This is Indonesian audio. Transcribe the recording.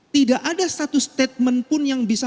tidak ada satu statement pun yang bisa